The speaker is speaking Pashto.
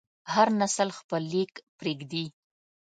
هر نسل خپل لیک پرېږدي.